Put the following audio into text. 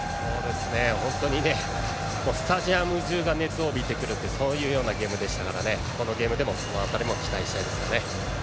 本当に、スタジアム中が熱を帯びてくるそういうようなゲームでしたからこのゲームでもその辺りを期待したいです。